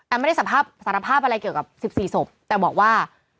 ไม่ได้สารภาพอะไรเกี่ยวกับ๑๔ศพแต่บอกว่า